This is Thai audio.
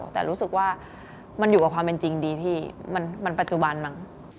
แต่รู้สึกว่ามันอยู่กับความเป็นจริงดีพี่มันปัจจุบันมั้ง